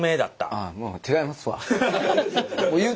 あっもう違いますわ。